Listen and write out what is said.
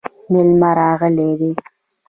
مېلمانه راغلي دي